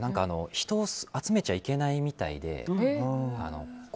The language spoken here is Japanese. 人を集めちゃいけないみたいで。